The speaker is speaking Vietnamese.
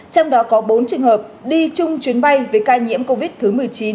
trong đó có bốn trường hợp đi chung chuyến bay với ca nhiễm covid thứ một mươi chín